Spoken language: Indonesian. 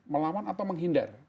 melawan atau menghindar